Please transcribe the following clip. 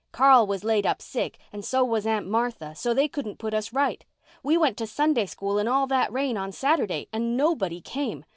Carl was laid up sick and so was Aunt Martha, so they couldn't put us right. We went to Sunday School in all that rain on Saturday and nobody came.